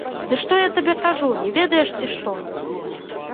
Ды што я табе кажу, не ведаеш, ці што?